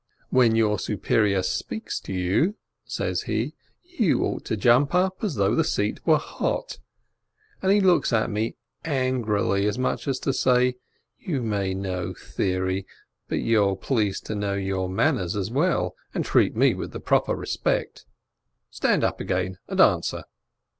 "When your superior speaks to you," says he, "you ought to jump up as though the seat were hot," and he looks at me angrily, as much as to say, "You may know theory, but you'll please to know your manners as well, and treat me with proper respect." "Stand up again and answer